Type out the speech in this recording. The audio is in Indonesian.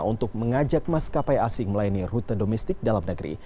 untuk mengajak maskapai asing melayani rute domestik dalam negeri